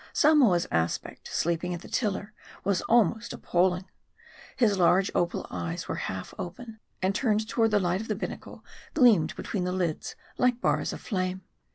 Samoa's aspect, sleeping at the tiller, was almost appall ing. His large opal eyes were half open ; and turned toward the light of the binnacle, gleamed between the lids like bars of flame.